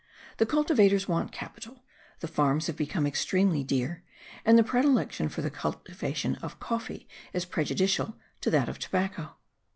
The cultivators want capital, the farms have become extremely dear, and the predilection for the cultivation of coffee is prejudicial to that of tobacco.